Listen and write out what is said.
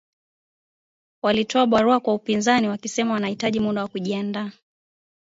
Walitoa barua kwa upinzani wakisema wanahitaji muda wa kujiandaa